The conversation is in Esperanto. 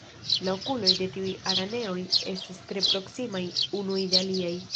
La okuloj de tiuj araneoj estas tre proksimaj unuj de aliaj.